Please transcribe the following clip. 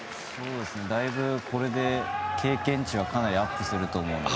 だいぶ、これで経験値はかなりアップすると思うので。